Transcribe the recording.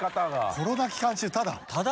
コロナ期間中タダ？